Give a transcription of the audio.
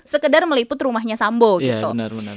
sekedar meliput rumahnya sambo gitu